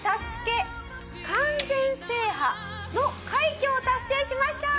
『ＳＡＳＵＫＥ』完全制覇の快挙を達成しました！